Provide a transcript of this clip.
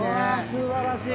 すばらしい。